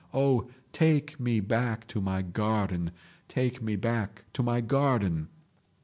Oh! take me back to my garden! Take me back to my garden!